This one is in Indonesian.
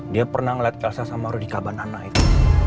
dia pernah ngeliat elsa sama rudy kabanana itu